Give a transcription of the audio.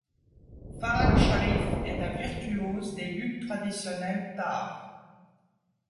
Farhang Sharif est un virtuose des luths traditionnels târ.